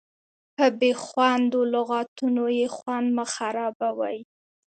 په بې خوندو لغتونو یې خوند مه خرابوئ.